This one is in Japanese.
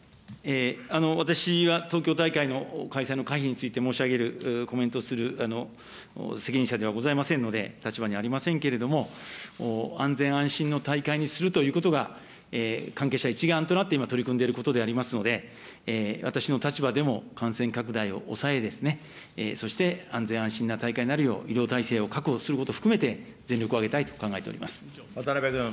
私は東京大会の開催の可否について申し上げる、コメントする責任者ではございませんので、立場にありませんけれども、安全安心の大会にするということが、関係者一丸となって今取り組んでいるところでありますので、私の立場でも、感染拡大を抑え、そして安全安心な大会になるよう、医療体制を確保することを含めて全力を挙げたいと考えております。